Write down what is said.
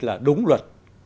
là đúng luật